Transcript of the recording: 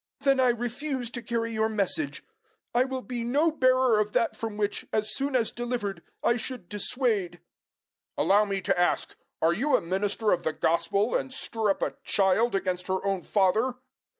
"Then I refuse to carry your message. I will be no bearer of that from which, as soon as delivered, I should dissuade." "Allow me to ask, are you a minister of the gospel, and stir up a child against her own father?"